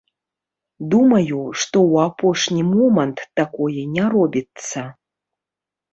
Думаю, што ў апошні момант такое не робіцца.